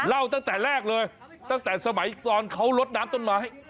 ตั้งแต่แรกเลยตั้งแต่สมัยตอนเขาลดน้ำต้นไม้